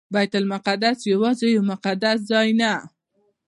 بیت المقدس یوازې یو مقدس ځای نه.